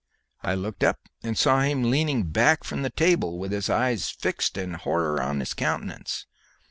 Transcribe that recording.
I looked up, and saw him leaning back from the table with his eyes fixed and horror in his countenance.